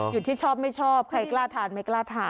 ที่ชอบไม่ชอบใครกล้าทานไม่กล้าทาน